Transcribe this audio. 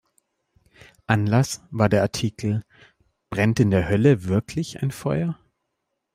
Anlass war der Artikel "Brennt in der Hölle wirklich ein Feuer?